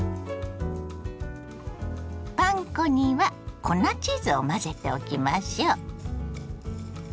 パン粉には粉チーズを混ぜておきましょ。